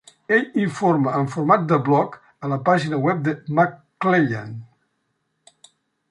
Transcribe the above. Ell informa en format de blog a la pàgina web de McClelland.